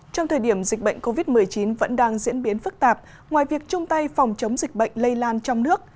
trong thời điểm dịch bệnh covid một mươi chín vẫn đang diễn biến phức tạp ngoài việc chung tay phòng chống dịch bệnh lây lan trong nước